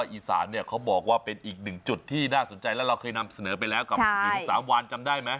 อีสานเนี่ยเขาบอกว่าเป็นอีกหนึ่งจุดที่น่าสนใจแล้วเราเคยนำเสนอไปแล้วกับหินสามวานจำได้ไหม